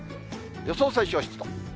予想最小湿度。